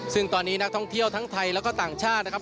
ซึ่งตอนนี้นักท่องเที่ยวทั้งไทยแล้วก็ต่างชาตินะครับ